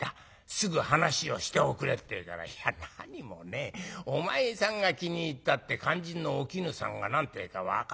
すぐ話をしておくれ』って言うから『何もねお前さんが気に入ったって肝心のお絹さんが何て言うか分からないじゃないか。